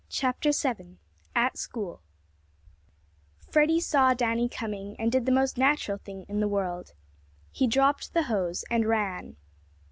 CHAPTER VII AT SCHOOL FREDDIE saw Danny coming, and did the most natural thing in the world. He dropped the hose and ran.